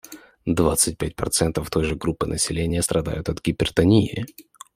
Двадцать пять процентов той же группы населения страдают от гипертонии.